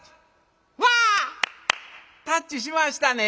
わあたっちしましたね。